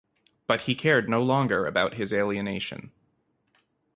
But he cared no longer about his alienation.